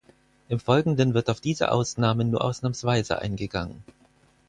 Im Folgenden wird auf diese Ausnahmen nur ausnahmsweise eingegangen.